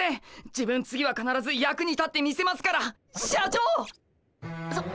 自分次はかならず役に立ってみせますからっ！